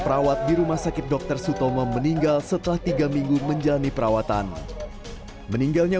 perawat di rumah sakit dokter sutomo meninggal setelah tiga minggu menjalani perawatan meninggalnya